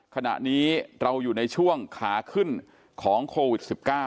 ขณะนี้เราอยู่ในช่วงขาขึ้นของโควิด๑๙